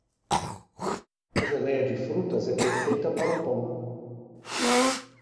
A geleia de frutas é perfeita para o pão.